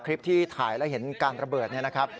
คลิปที่ถ่ายแล้วเห็นการระเบิดเนี่ยนะครับ